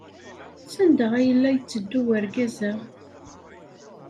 Sanda ay la yetteddu wergaz-a?